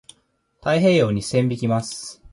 太平洋に線引きます。